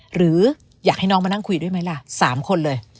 หรืออยากให้น้องมานั่งคุยด้วยไหมล่ะ๓คนเลย